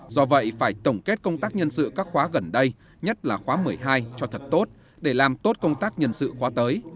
do vậy phải tổng kết công tác nhân sự các khóa gần đây nhất là khóa một mươi hai cho thật tốt để làm tốt công tác nhân sự khóa tới